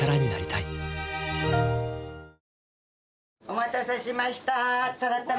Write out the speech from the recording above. お待たせしました。